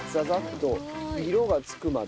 色が付くまで？